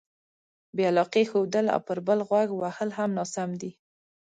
بې علاقې ښودل او پر بل غوږ وهل هم ناسم دي.